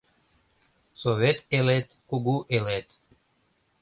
Совет элет - кугу элет